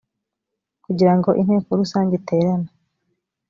kugira ngo inteko rusange iterane